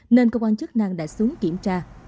nên công an chức năng đã xuống kiểm tra